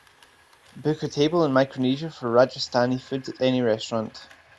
book a table in Micronesia for rajasthani food at any restaurant